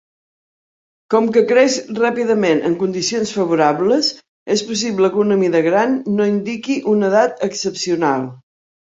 Com que creix ràpidament en condicions favorables, és possible que una mida gran no indiqui una edat excepcional.